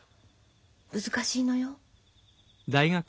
難しいのよ。